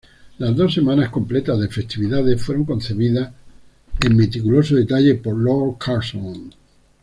Las dos semanas completas de festividades fueron concebidas en meticuloso detalle por Lord Curzon.